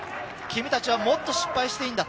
君たちはもっと失敗していいんだ。